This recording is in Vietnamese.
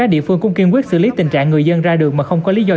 tổng công ty tân cảng hai trăm bảy mươi năm